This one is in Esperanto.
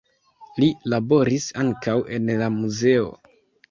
Li laboris ankaŭ en la muzeo.